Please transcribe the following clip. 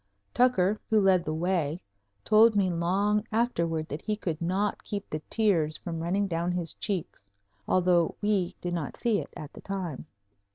Tucker, who led the way, told me long afterward that he could not keep the tears from running down his cheeks, although we did not see it at the time.